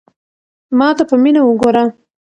ما ته په مینه وگوره.